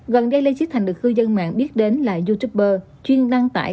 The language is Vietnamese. gần đây lê chí thành được cư dân mạng biết đến là youtuber chuyên đăng tải